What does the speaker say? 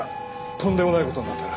とんでもない事になったな。